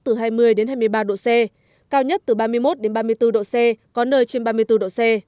từ hai mươi hai mươi ba độ c cao nhất từ ba mươi một đến ba mươi bốn độ c có nơi trên ba mươi bốn độ c